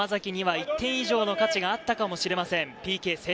島崎には１点以上の力があったかもしれません。